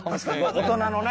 大人のね。